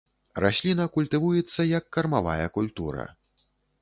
Расліна культывуецца як кармавая культура.